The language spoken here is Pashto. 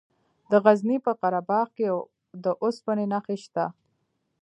د غزني په قره باغ کې د اوسپنې نښې شته.